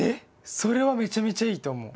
それはめちゃめちゃいいと思う！